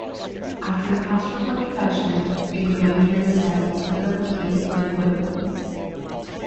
After a pastoral introduction, the Grainger setting is replicated by the woodwinds.